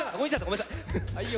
ごめんなさい。